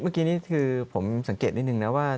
เมื่อกี้นี้คือผมสังเกตนิดนึงนะว่า